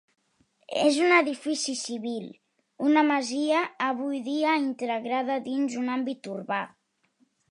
És un edifici civil, una masia avui dia integrada dins un àmbit urbà.